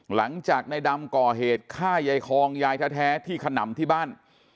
หลังจากในดำก่อเหตุฆ่ายายคองยายแท้ที่ขนำที่บ้าน